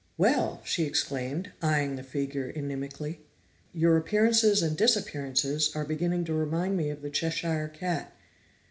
"Well!" she exclaimed, eyeing the figure inimically. "Your appearances and disappearances are beginning to remind me of the Cheshire Cat."